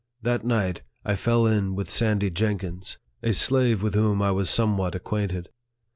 That night, I fell in with Sandy Jenkins, a slave with whom 70 NARRATIVE OF THE I was somewhat acquainted.